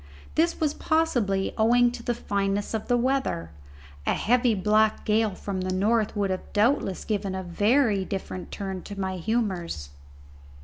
This was possibly owing to the fineness of the weather; a heavy black gale from the north would doubtless have given a very different turn to my humours.